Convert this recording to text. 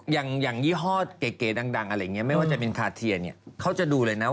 อย่างอย่างยี่ห้อเก๋ดังอะไรอย่างเงี้ยไม่ว่าจะเป็นเนี่ยเขาจะดูเลยน่าว่า